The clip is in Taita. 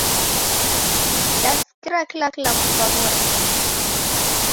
Dasikira kila kilambo kwaghora